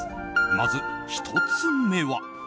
まず１つ目は。